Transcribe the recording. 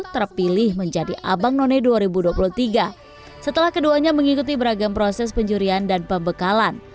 terpilih menjadi abang none dua ribu dua puluh tiga setelah keduanya mengikuti beragam proses penjurian dan pembekalan